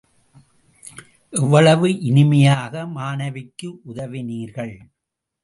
எவ்வளவு இனிமையாக மாணவிக்கு உதவினீர்கள்.